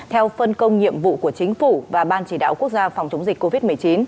theo phân công nhiệm vụ của chính phủ và ban chỉ đạo quốc gia phòng chống dịch covid một mươi chín